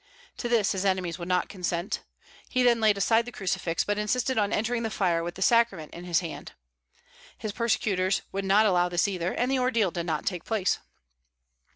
To this his enemies would not consent. He then laid aside the crucifix, but insisted on entering the fire with the sacrament in his hand. His persecutors would not allow this either, and the ordeal did not take place.